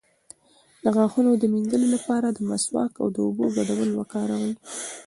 د غاښونو د مینځلو لپاره د مسواک او اوبو ګډول وکاروئ